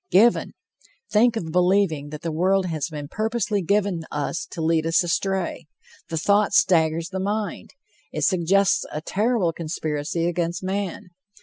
Given! Think of believing that the world has been purposely given us to lead us astray. The thought staggers the mind. It suggests a terrible conspiracy against man.